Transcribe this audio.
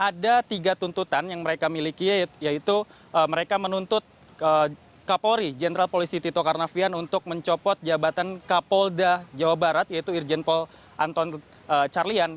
ada tiga tuntutan yang mereka miliki yaitu mereka menuntut kapolri jenderal polisi tito karnavian untuk mencopot jabatan kapolda jawa barat yaitu irjen pol anton carlian